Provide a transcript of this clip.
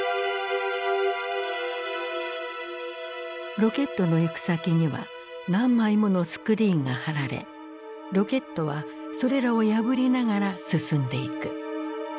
ロケットの行く先には何枚ものスクリーンが張られロケットはそれらを破りながら進んでいく。